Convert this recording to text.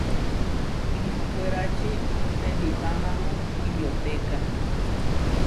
Ihkwérači penipámamu Iʼyotéka.